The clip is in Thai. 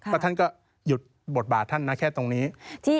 แล้วท่านก็หยุดบทบาทท่านนะแค่ตรงนี้